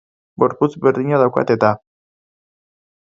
Gorputz berdina daukat eta!